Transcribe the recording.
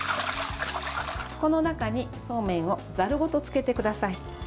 この中に、そうめんをざるごとつけてください。